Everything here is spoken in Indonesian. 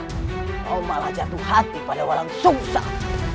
kau malah jatuh hati pada orang susah